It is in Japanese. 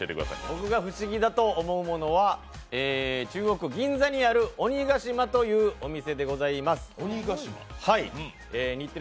僕が不思議だと思うものは中央区銀座にある鬼ヶ島というお店です。